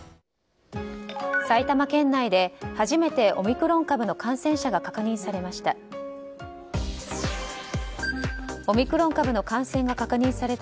埼玉県内で初めてオミクロン株の感染者が確認されました。